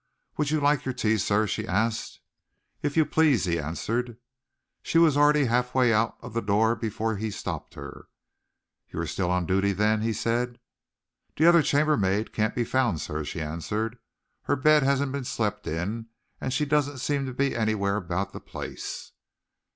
"Would you like your tea, sir?" she asked. "If you please," he answered. She was already half way out of the door before he stopped her. "You are still on duty, then?" he said. "The other chambermaid can't be found, sir," she answered. "Her bed hasn't been slept in, and she doesn't seem to be anywhere about the place."